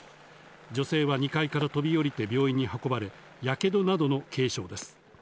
女性は２階から飛び降りて病院に運ばれ火傷などの軽傷です。